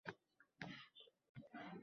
Nogoh tinadi yomg‘ir. Ko‘kda qalqir kamalak.